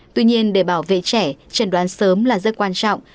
tuy nhiên để bảo vệ trẻ trần đoán sớm là rất quan trọng